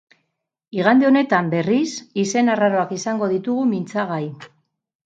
Igande honetan, berriz, izen arraroak izango ditugu mintzagai.